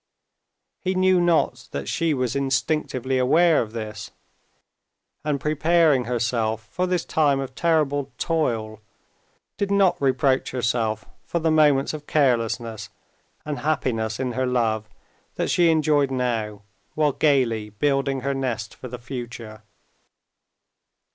He knew not that she was instinctively aware of this, and preparing herself for this time of terrible toil, did not reproach herself for the moments of carelessness and happiness in her love that she enjoyed now while gaily building her nest for the future.